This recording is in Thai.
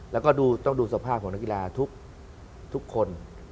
แล้วก็ต้องดูสภาพของนักกีฬาทุกคน